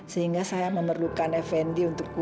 sehingga saya memerlukan effendi untuk